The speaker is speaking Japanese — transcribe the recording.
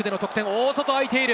大外が空いている。